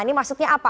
ini maksudnya apa